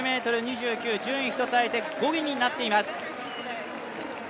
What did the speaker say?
１９ｍ２９、順位を１つ上げて５位になっています。